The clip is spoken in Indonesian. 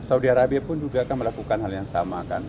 saudi arabia pun juga kan melakukan hal yang sama kan